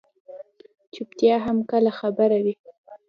چُپتیا هم کله خبره وي.